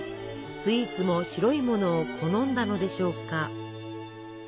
スイーツも白いものを好んだのでしょうか？